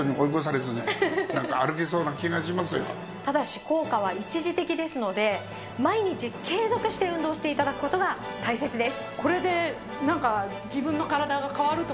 ただし効果は一時的ですので毎日継続して運動して頂く事が大切です。